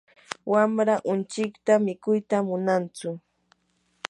wamraa unchikta mikuyta munantsu.